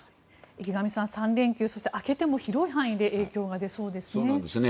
池上さん、３連休そして明けても広い範囲で影響が出そうですね。